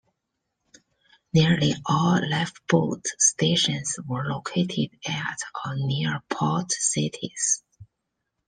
Nearly all lifeboat stations were located at or near port cities.